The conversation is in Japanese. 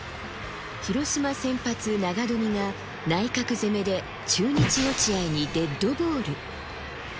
広島先発、長冨が、内角攻めで中日、落合にデッドボール。